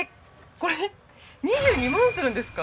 これ２２万するんですか？